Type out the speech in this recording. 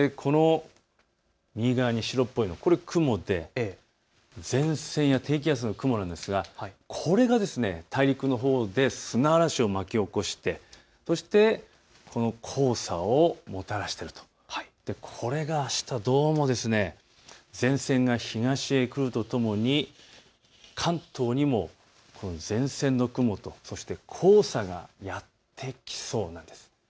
そして右側、白っぽいのが雲で前線や低気圧の雲なんですがこれが大陸のほうで砂嵐を巻き起こしてそしてこの黄砂をもたらしているという、これがあしたどうも前線が東へ来るとともに関東にも前線の雲と黄砂がやって来そうなんです。